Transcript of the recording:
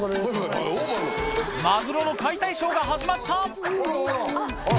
マグロの解体ショーが始まったあっ。